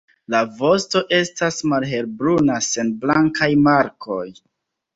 La vosto estas malhelbruna sen blankaj markoj.